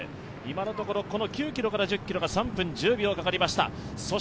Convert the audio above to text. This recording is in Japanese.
今のところ、９ｋｍから１０ｋｍが３分１０秒かかりました。